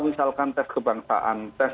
misalkan tes kebangsaan tes